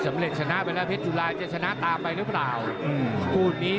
สมุทธิ์ชนะไปแล้วเจอกับโรศาสตร์ยังหรือไม่